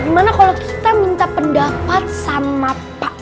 gimana kalau kita minta pendapat sama pak